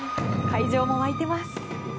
会場も沸いています。